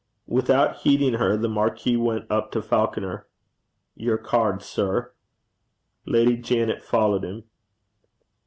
Without heeding her, the marquis went up to Falconer. 'Your card, sir.' Lady Janet followed him.